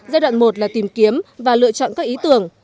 giai đoạn một là tìm kiếm và lựa chọn các ý tưởng